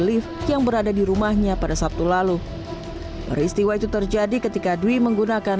lift yang berada di rumahnya pada sabtu lalu peristiwa itu terjadi ketika dwi menggunakan